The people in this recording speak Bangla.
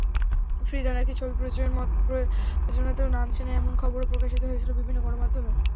ফ্রিদা নাকি ছবি প্রযোজনাতেও নামছেন— এমন খবরও প্রকাশিত হয়েছিল বিভিন্ন গণমাধ্যমে।